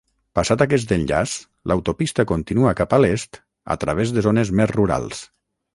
Passat aquest enllaç, l'autopista continua cap a l'est a través de zones més rurals.